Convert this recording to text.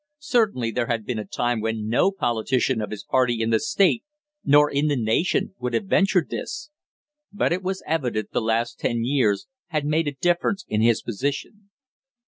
Certainly there had been a time when no politician of his party in the state nor in the nation would have ventured this; but it was evident the last ten years had made a difference in his position.